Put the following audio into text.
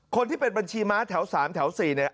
คนที่เป็นบัญชีม้าแถว๓แถว๔เนี่ย